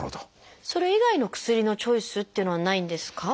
それ以外の薬のチョイスっていうのはないんですか？